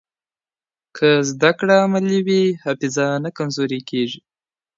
که زده کړه عملي وي، حافظه نه کمزورې کېږي.